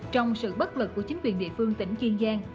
trong sự bất lực của chính quyền địa phương tỉnh kiên giang